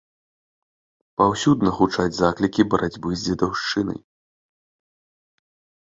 Паўсюдна гучаць заклікі барацьбы з дзедаўшчынай.